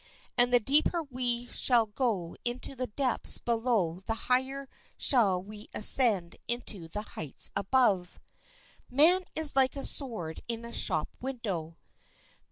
And the deeper we shall go into the depths below the higher shall we ascend into the heights above. Man is like a sword in a shop window.